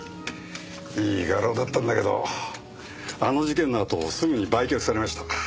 いい画廊だったんだけどあの事件のあとすぐに売却されました。